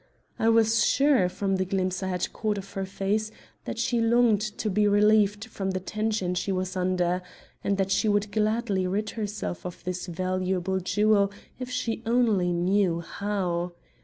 I was sure, from the glimpse I had caught of her face, that she longed to be relieved from the tension she was under, and that she would gladly rid herself of this valuable jewel if she only knew how.